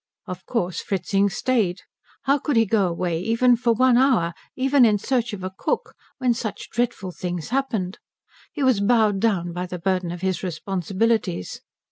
Of course Fritzing stayed. How could he go away even for one hour, even in search of a cook, when such dreadful things happened? He was bowed down by the burden of his responsibilities.